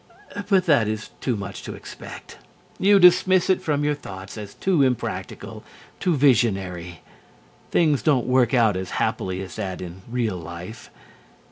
But that is too much to expect. You dismiss it from your thoughts as too impractical, too visionary. Things don't work out as happily as that in real life.